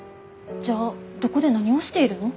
じゃあどこで何をしているの？